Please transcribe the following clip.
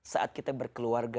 saat kita berkeluarga